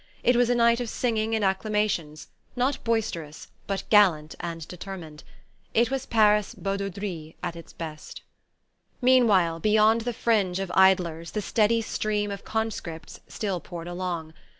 It was a night of singing and acclamations, not boisterous, but gallant and determined. It was Paris badauderie at its best. Meanwhile, beyond the fringe of idlers the steady stream of conscripts still poured along.